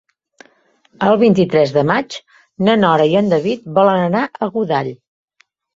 El vint-i-tres de maig na Nora i en David volen anar a Godall.